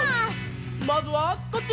まずはこっち！